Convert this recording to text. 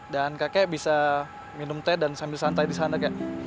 dan kakek bisa minum teh dan sambil santai di sana kek